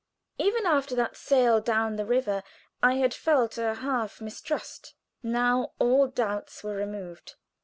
Even after that sail down the river I had felt a half mistrust, now all doubts were removed.